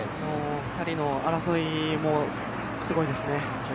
２人の争いもすごいですね。